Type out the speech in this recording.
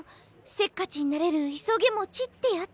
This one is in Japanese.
せっかちになれるいそげもちってやつ。